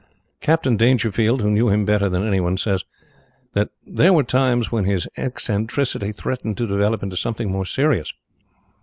Captain Dangerfield, who knew him better than anyone, says that there were times when his eccentricity threatened to develop into something more serious.